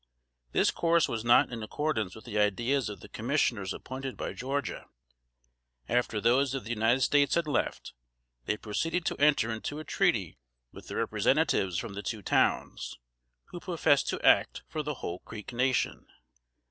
This course was not in accordance with the ideas of the Commissioners appointed by Georgia. After those of the United States had left, they proceeded to enter into a treaty with the representatives from the two towns, who professed to act for the whole Creek nation.